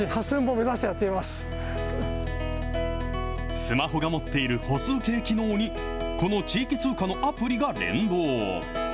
スマホが持っている歩数計機能にこの地域通貨のアプリが連動。